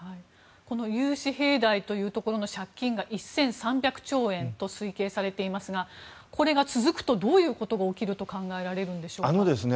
融資平台というところの借金が１３００兆円と推計されていますがこれが続くとどういうことが起きると考えられますか？